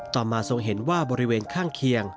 ต่อมาทรงเห็นว่าบริเวณข้างเคียง